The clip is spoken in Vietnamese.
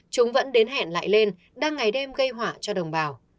chúng vẫn đến hẹn lại lên đang ngày đêm gây hỏa cho đồng bào